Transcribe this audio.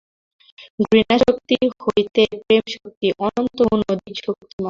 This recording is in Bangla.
ঘৃণাশক্তি হইতে প্রেমশক্তি অনন্তগুণ অধিক শক্তিমান্।